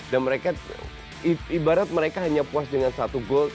dan mereka ibarat mereka hanya puas dengan satu gol